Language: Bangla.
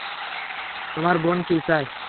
তোমার বোন কি চায়?